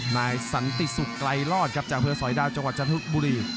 นายสันติสุขไกลรอดครับจากอำเภอสอยดาวจังหวัดจันทบุรี